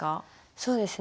そうですね。